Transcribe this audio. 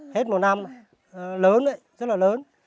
hết một năm lớn đấy rất là lớn